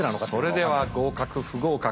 それでは合格不合格の発表